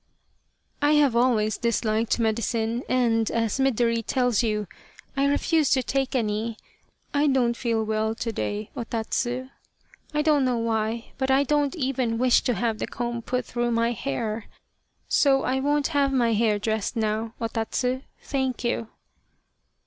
" I have always disliked medicine and, as Midori tells you, I refused to take any. I don't feel well to day, O Tatsu. I don't know why, but I don't even wish to have the comb put through my hair so I won't have my hair dressed now, O Tatsu, thank you."